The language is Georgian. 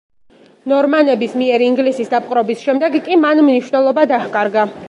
ნორმანების მიერ ინგლისის დაპყრობის შემდეგ კი მან მნიშვნელობა დაჰკარგა.